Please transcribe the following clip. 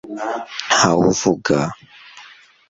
Ntawe uvuga